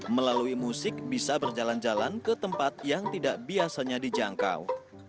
melalui musik bisa berjalan jalan ke tempat yang tidak biasanya dijangkau